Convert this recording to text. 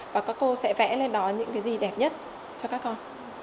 và các cô sẽ vẽ lên đó những cái gì đẹp nhất cho các con